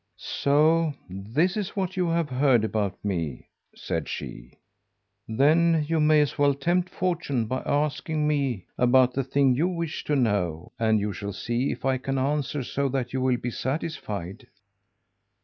'So this is what you have heard about me,' said she. 'Then you may as well tempt fortune by asking me about the thing you wish to know; and you shall see if I can answer so that you will be satisfied.'